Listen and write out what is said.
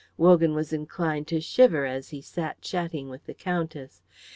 Wogan was inclined to shiver as he sat chatting with the Countess.